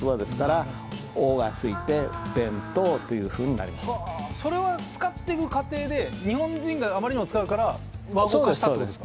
例えばそれは使っていく過程で日本人があまりにも使うから和語化したってことですか？